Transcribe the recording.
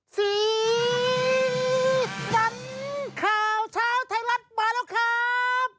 สีสันข่าวเช้าไทยรัฐมาแล้วครับ